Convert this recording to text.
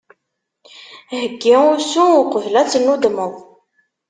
Heggi usu, uqbel ad tennudmeḍ.